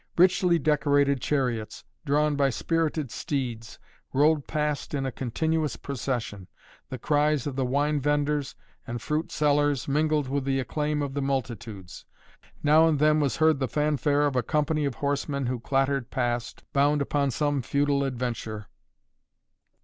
Richly decorated chariots, drawn by spirited steeds, rolled past in a continuous procession. The cries of the wine venders and fruit sellers mingled with the acclaim of the multitudes. Now and then was heard the fanfare of a company of horsemen who clattered past, bound upon some feudal adventure.